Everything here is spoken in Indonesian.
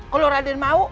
kalau raden mau